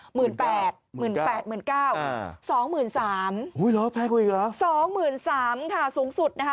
หมื่นแปดหมื่นแปดหมื่นเก้าสองหมื่นสามสองหมื่นสามค่ะสูงสุดนะฮะ